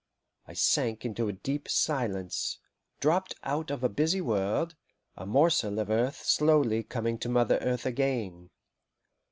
I sank into a deep silence, dropped out of a busy world, a morsel of earth slowly coming to Mother Earth again.